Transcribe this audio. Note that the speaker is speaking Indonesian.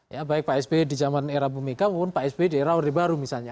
ya baik pak sby di zaman era bumika maupun pak sby di era orde baru misalnya